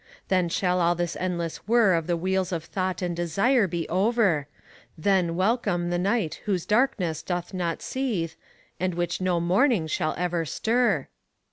Then shall all this endless whir of the wheels of thought and desire be over; then welcome the night whose darkness doth not seethe, and which no morning shall ever stir!